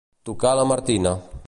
Tocar la Martina.